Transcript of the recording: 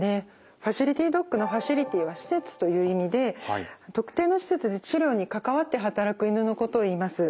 ファシリティドッグのファシリティは施設という意味で特定の施設で治療に関わって働く犬のことをいいます。